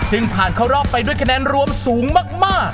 ซึ่งผ่านเข้ารอบไปด้วยคะแนนรวมสูงมาก